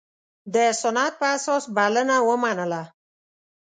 د سنت په اساس بلنه ومنله.